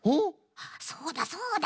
そうだそうだ！